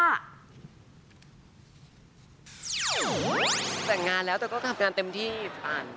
แต่งงานแล้วก็ทำงานเต็มที่ฝ่าน